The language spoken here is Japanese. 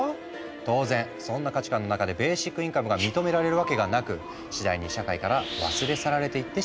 当然そんな価値観の中でベーシックインカムが認められるわけがなく次第に社会から忘れ去られていってしまったんだ。